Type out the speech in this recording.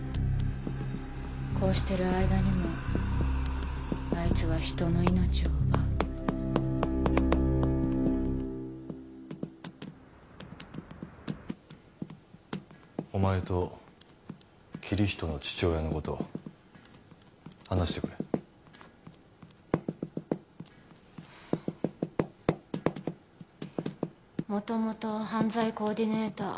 こうしてる間にもあいつは人の命を奪うお前とキリヒトの父親のこと話してくれ元々犯罪コーディネーター